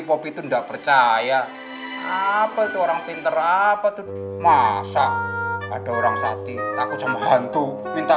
popi itu enggak percaya apa itu orang pinter apa tuh masak ada orang sati takut sama hantu minta